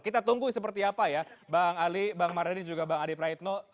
kita tunggu seperti apa ya bang ali bang mardhani juga bang adi praitno